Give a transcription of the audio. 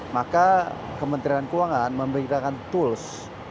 maka kementerian keuangan memberikan tools